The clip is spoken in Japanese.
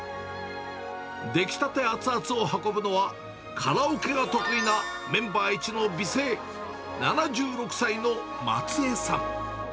出来たて熱々を運ぶのは、カラオケが得意なメンバーいちの美声、７６歳の松江さん。